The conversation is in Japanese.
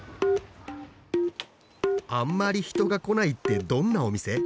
あんまり人が来ないってどんなお店？